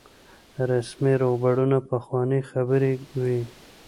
رسمي روغبړونه پخوانۍ خبرې وي.